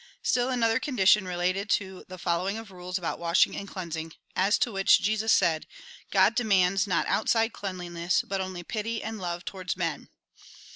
Still another condition related to the following of rules about washing and cleansing ; as to which, Jesus said :" God demands, not outside cleanliness, but only, pity and love towards men."